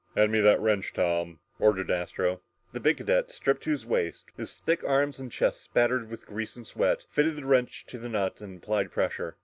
"Hand me that wrench, Tom," ordered Astro. The big cadet, stripped to the waist, his thick arms and chest splattered with grease and sweat, fitted the wrench to the nut and applied pressure.